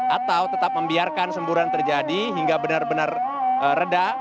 atau tetap membiarkan semburan terjadi hingga benar benar reda